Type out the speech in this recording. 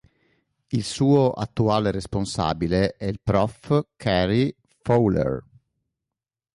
Il suo attuale responsabile è il prof. Cary Fowler.